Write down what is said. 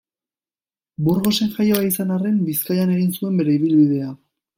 Burgosen jaioa izan arren, Bizkaian egin zuen bere ibilbidea.